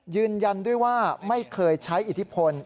ยืนยันด้วยว่าไม่เคยใช้อิทธิพล